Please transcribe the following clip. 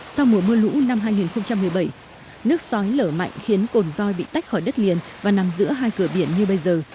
sau mùa mưa lũ năm hai nghìn một mươi bảy nước sói lở mạnh khiến cồn doi bị tách khỏi đất liền và nằm giữa hai cửa biển như bây giờ